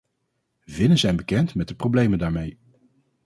Finnen zijn bekend met de problemen daarmee.